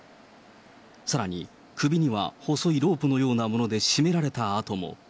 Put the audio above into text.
さらに、首には細いロープのようなもので絞められた痕も。